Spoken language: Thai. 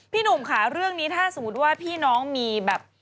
หนุ่มค่ะเรื่องนี้ถ้าสมมุติว่าพี่น้องมีแบบ